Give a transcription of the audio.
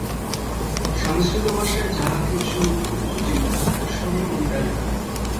সংস্কৃত ভাষায় যাহা কিছু উচ্চচিন্তা, সবই কবিতায় লেখা।